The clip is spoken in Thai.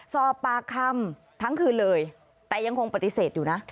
สอบปากคำทั้งคืนเลยแต่ยังคงปฏิเสธอยู่นะ